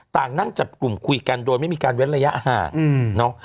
ต่างนั่งจับกลุ่มคุยกันโดยไม่มีการเว้นระยะห่างเนาะ